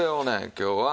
今日は。